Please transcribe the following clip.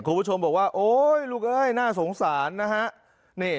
คุณผู้ชมบอกว่าโอ๊ยลูกเอ้ยน่าสงสารนะฮะ